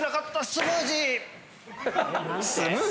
スムージー！